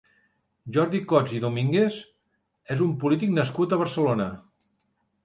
Jordi Cots i Domínguez és un polític nascut a Barcelona.